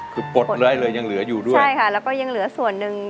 คือปลดไว้เลยยังเหลืออยู่ด้วยใช่ค่ะแล้วก็ยังเหลือส่วนหนึ่ง